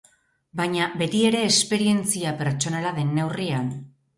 Baina beti ere esperientzia pertsonala den neurrian.